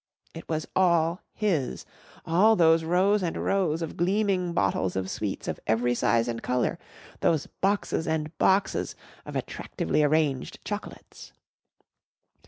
It was all his all those rows and rows of gleaming bottles of sweets of every size and colour, those boxes and boxes of attractively arranged chocolates.